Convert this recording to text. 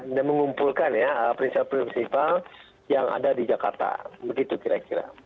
dan mengumpulkan ya prinsip prinsip yang ada di jakarta begitu kira kira